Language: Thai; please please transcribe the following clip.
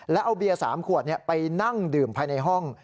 แล้วเอาเบียร์๓ขวดไปนั่งดื่มภายในห้อง